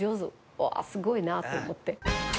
うわすごいなと思って。